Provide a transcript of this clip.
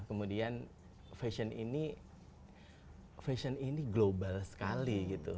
kemudian fashion ini global sekali gitu